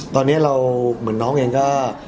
ตอนนี้เราเหมือนน้องเองก็